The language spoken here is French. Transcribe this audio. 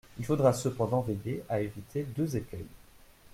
Il faudra cependant veiller à éviter deux écueils.